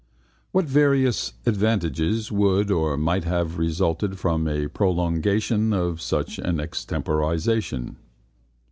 What various advantages would or might have resulted from a prolongation of such an extemporisation?